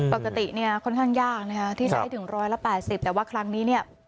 ปกติเนี่ยค่อนข้างยากนะคะที่ใช้ถึง๑๘๐แต่ว่าครั้งนี้เนี่ย